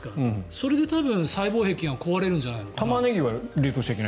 それで、細胞壁が壊れるんじゃないかな。